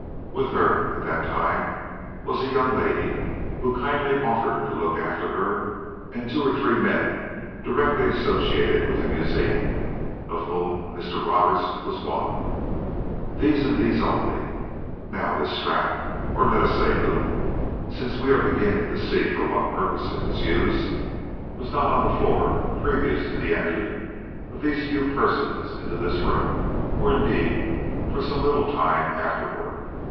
With her at the time was the young lady who had kindly offered to look after her and two or three men directly associated with the museum, of whom Mr. Roberts was one. These and these only. Now, this strap or let us say loop, since we are beginning to see for what purpose it was used, was not on the floor previous to the entrance of these few persons into this room or, indeed, for some little time afterward.